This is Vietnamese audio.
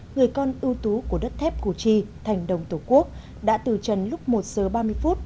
người con ưu tú của đất thép cổ chi thành đồng tổ quốc đã từ trần lúc một giờ ba mươi phút